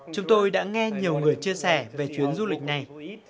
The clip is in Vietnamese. chúng tôi đã nghe nhiều người chia sẻ về chuyến du lịch này